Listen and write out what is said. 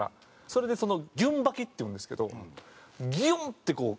それでそのギュン穿きっていうんですけどギュンってこう。